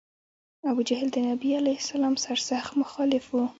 ابوجهل د نبي علیه السلام سر سخت مخالف و.